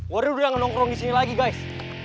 warrior udah gak nongkrong di sini lagi guys